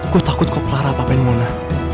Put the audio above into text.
gue takut kok clara apa apain mona